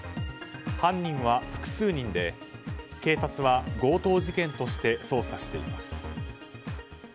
犯人は複数人で警察は強盗事件として捜査しています。